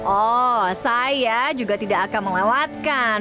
oh saya juga tidak akan melewatkan